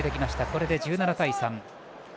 これで１７対３。